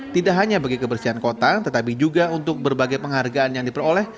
tidak hanya bagi kebersihan kota tetapi juga untuk berbagai penghargaan yang diperoleh